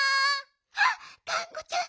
あっがんこちゃん。